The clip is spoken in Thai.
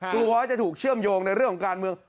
กลัวว่าจะถูกเชื่อมโยงในเรื่องของการเมือง